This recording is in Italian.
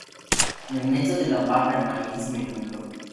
Nel mezzo della barra il magnetismo è nullo.